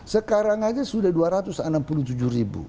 sekarang aja sudah dua ratus enam puluh tujuh ribu